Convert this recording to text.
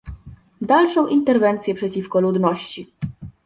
dalszą interwencję przeciwko ludności